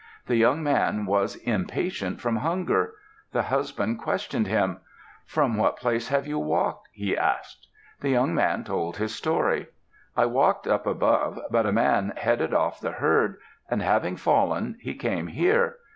The young man was impatient from hunger. The husband questioned him: "From what place have you walked?" he asked. The young man told his story. "I walked up above, but a man headed off the herd, and having fallen, he came here.